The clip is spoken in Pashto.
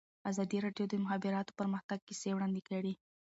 ازادي راډیو د د مخابراتو پرمختګ کیسې وړاندې کړي.